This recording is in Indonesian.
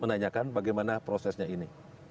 menanyakan bagaimana prosesnya ini